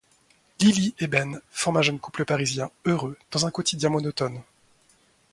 Lily et Ben forment un jeune couple parisien, heureux dans un quotidien monotone.